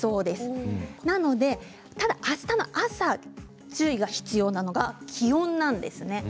ですので、あしたの朝注意が必要なのが気温なんです。